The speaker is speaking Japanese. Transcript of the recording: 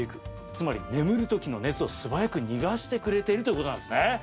つまり眠る時の熱を素早く逃がしてくれているということなんですね。